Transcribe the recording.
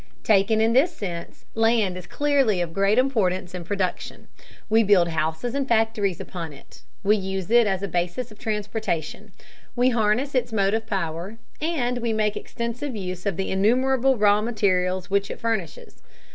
Taken in this sense, land is clearly of great importance in production. We build houses and factories upon it, we use it as a basis of transportation, we harness its motive power, and we make extensive use of the innumerable raw materials which it furnishes.